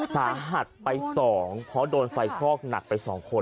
สาหัสไป๒เพราะโดนไฟคลอกหนักไป๒คน